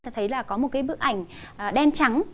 thấy là có một cái bức ảnh đen trắng